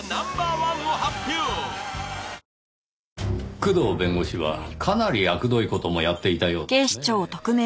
工藤弁護士はかなりあくどい事もやっていたようですねぇ。